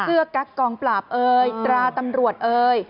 เสื้อกรกกองปราบเอ้ยตราตำรวจเอ้ย